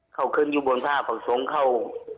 เขาขึ้นอยู่บนผ้าฝักทงเขา